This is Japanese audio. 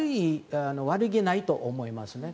悪気はないと思いますね。